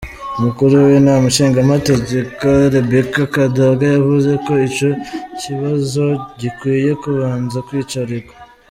Umukuru w'inama nshingamateka, Rebecca Kadaga yavuze ko ico kibazo gikwiye kubanza kwicarigwa.